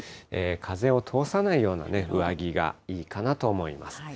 風を通さないような上着がいいかなと思います。